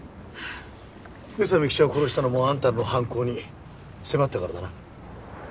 宇佐美記者を殺したのもあんたらの犯行に迫ったからだな。